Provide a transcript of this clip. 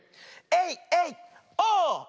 エイエイオー！